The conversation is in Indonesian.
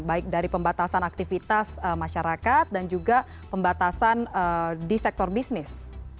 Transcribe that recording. baik dari pembatasan aktivitas masyarakat dan juga pembatasan di sektor bisnis